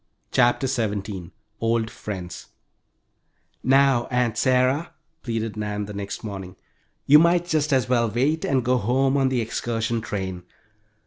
CHAPTER XVII OLD FRIENDS "Now, Aunt Sarah," pleaded Nan the next morning, "you might just as well wait and go home on the excursion train.